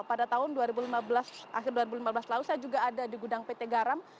pada tahun dua ribu lima belas akhir dua ribu lima belas lalu saya juga ada di gudang pt garam